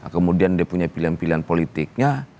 kemudian dia punya pilihan pilihan politiknya